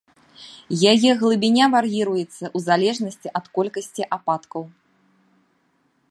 Яе глыбіня вар'іруецца ў залежнасці ад колькасці ападкаў.